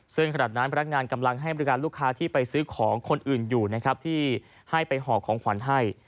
ซึ่งขณะนั้นพนักงานกำลังให้บริการลูกค้าที่ไปซื้อของคนอื่นอยู่นะครับที่ให้ไปหอบของขวัญให้